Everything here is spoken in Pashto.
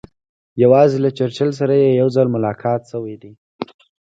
یوازې له چرچل سره یې یو ځل ملاقات شوی دی.